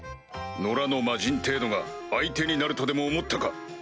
野良の魔人程度が相手になるとでも思ったか？